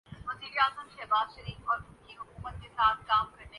کہ ٹیم سے باہر بیٹھے کھلاڑی ان سے کم تر کارکردگی کے حامل ہیں ۔